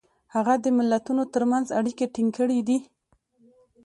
هغه د ملتونو ترمنځ اړیکې ټینګ کړي دي.